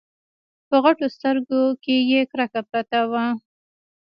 په غټو سترګو کې يې کرکه پرته وه.